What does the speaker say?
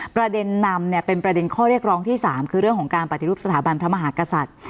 ประเด็นนำเนี่ยเป็นประเด็นข้อเรียกร้องที่๓คือเรื่องของการปฏิรูปสถาบันพระมหากษัตริย์